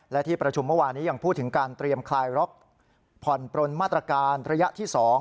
และที่ประชุมเมื่อวานนี้ยังพูดถึงการเตรียมคลายล็อกผ่อนปลนมาตรการระยะที่๒